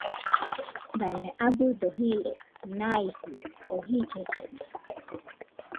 Dane abɨdo jiro naijɨ oo jillollena.